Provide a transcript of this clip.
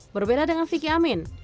berbeda dengan vicky amin